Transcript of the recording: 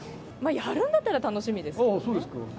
やるんだったら、楽しみですけどね。